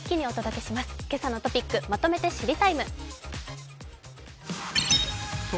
「けさのトピックまとめて知りＴＩＭＥ，」。